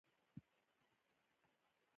کافران د خپل انکار په وجه سوځي.